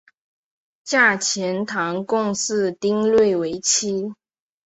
嫁钱塘贡士丁睿为妻。